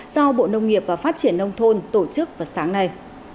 do bộ nông nghiệp và phát triển nông thôn tổ chức vào sáng nay